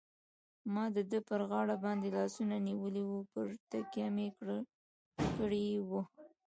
ما د ده پر غاړه باندې لاسونه نیولي وو، پرې تکیه مې کړې وه.